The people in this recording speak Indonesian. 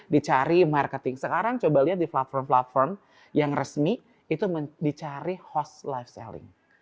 dicari marketing sekarang coba lihat di platform platform yang resmi itu dicari host life selling